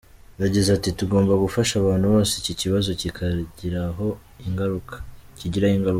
Yagize ati “Tugomba gufasha abantu bose iki kibazo kigiraho ingaruka.